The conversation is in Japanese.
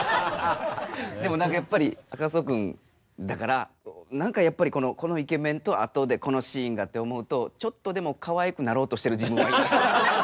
でも何かやっぱり赤楚君だから何かやっぱりこのイケメンとあとでこのシーンがって思うとちょっとでもかわいくなろうとしてる自分がいました。